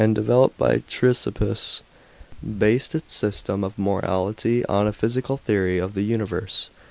developed by Chrysippus,* based its system of morality on a physical theory of the univer.se.